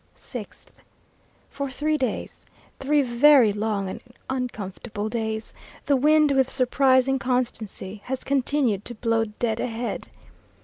6th. For three days, three very long and uncomfortable days, the wind, with surprising constancy, has continued to blow dead ahead.